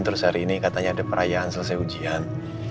terus hari ini katanya ada perayaan selesai ujian